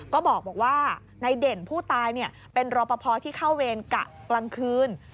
ก็บอกว่าในเด่นผู้ตายเป็นรอปภที่เข้าเวรกะกลางคืน